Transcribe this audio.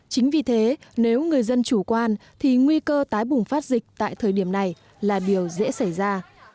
chính vì thế nếu người dân chủ quan thì nguy cơ tái bùng phát dịch tại thời điểm này là điều dễ xảy ra